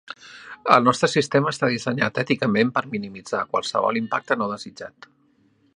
El nostre sistema està dissenyat èticament per minimitzar qualsevol impacte no desitjat.